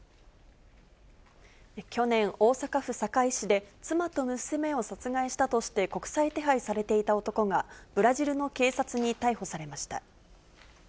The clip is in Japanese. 去年、大阪府堺市で妻と娘を殺害したとして国際手配されていた男が、ブラジルの警察に逮捕されました。